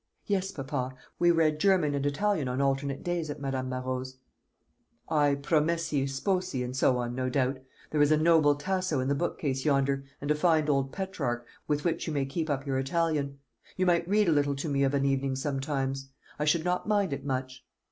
"Yes, papa. We read German and Italian on alternate days at Madame Marot's." "I promessi Sposi, and so on, no doubt. There is a noble Tasso in the bookcase yonder, and a fine old Petrarch, with which you may keep up your Italian. You might read a little to me of an evening sometimes. I should not mind it much."